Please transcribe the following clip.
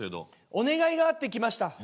「お願いがあって来ました」。何？